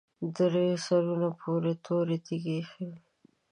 درې سرونه پر تورې تیږې ایښي وو.